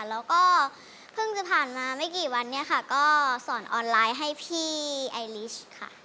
แล้วก็เพิ่งจะผ่านมาไม่กี่วันเนี่ยค่ะก็สอนออนไลน์ให้พี่ไอลิชค่ะ